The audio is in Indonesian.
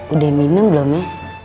udah minum belum ya